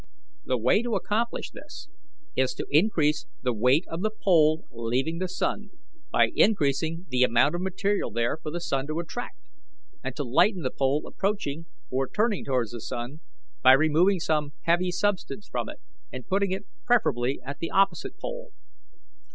"The way to accomplish this is to increase the weight of the pole leaving the sun, by increasing the amount of material there for the sun to attract, and to lighten the pole approaching or turning towards the sun, by removing some heavy substance from it, and putting it preferably at the opposite pole.